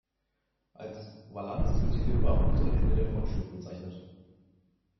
Als Valance wird die Lippe am unteren Ende der Frontschürze bezeichnet.